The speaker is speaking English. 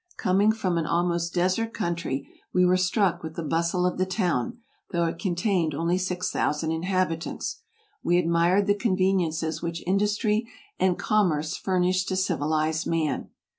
Coming AMERICA 181 from an almost desert country, we were struck with the bustle of the town, though it contained only 6000 inhab itants. We admired the conveniences which industry and commerce furnish to civilized man.